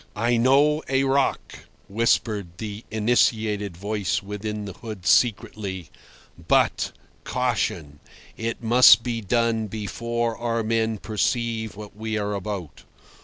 "I know a rock," whispered the initiated voice within the hood secretly. "But—caution! It must be done before our men perceive what we are about.